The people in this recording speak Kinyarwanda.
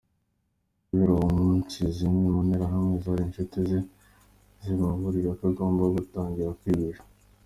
Guhera uwo munsi zimwe mu nterahamwe zari inshuti ze zimuburira ko agomba gutangira kwihisha.